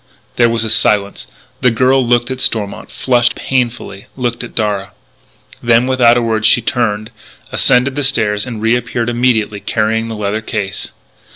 There was a silence. The girl looked at Stormont, flushed painfully, looked at Darragh. Then, without a word, she turned, ascended the stairs, and reappeared immediately carrying the leather case.